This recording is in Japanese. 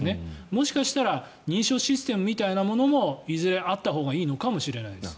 もしかしたら認証システムみたいなものもいずれあったほうがいいのかもしれないです。